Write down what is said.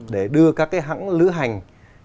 để đưa các hãng lưu hành